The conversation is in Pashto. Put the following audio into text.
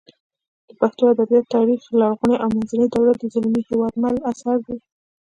د پښتو ادبیاتو تاریخ لرغونې او منځنۍ دورې د زلمي هېوادمل اثر دی